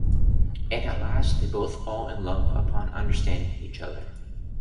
And at last they both fall in love upon understanding each other.